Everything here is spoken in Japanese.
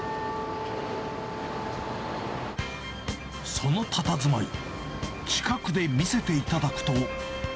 そのたたずまい、近くで見せていただくと。